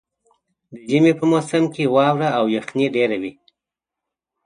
د ژمي په موسم کې واوره او یخني ډېره وي.